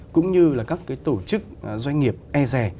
cũng như là các cái tổ chức doanh nghiệp e rè